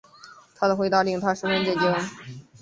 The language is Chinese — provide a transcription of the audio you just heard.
他的回答令她十分震惊